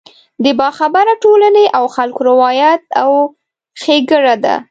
د باخبره ټولنې او خلکو روایت او ښېګړه ده.